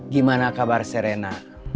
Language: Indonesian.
gimana kabar serena